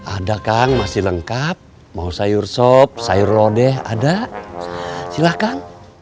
ada kang masih lengkap mau sayur sop sayur lodeh ada silakan